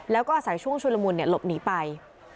แล้วก็อาศัยช่วงชุณภัณฑ์ลมูลหลบหนีไป